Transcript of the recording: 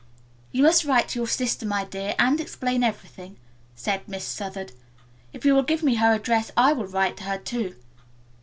"You must write to your sister, my dear, and explain everything," said Miss Southard. "If you will give me her address I will write to her too.